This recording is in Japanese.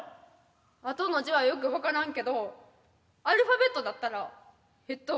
あとの字はよく分からんけどアルファベットだったらえっと